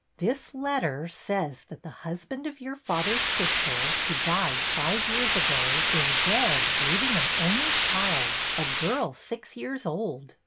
'' This letter says that the husband of your father's sister (who died five years ago) is dead, leaving an only child, — a girl six years old.